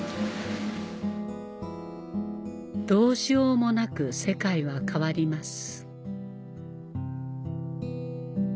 どうしようもなく世界は変わります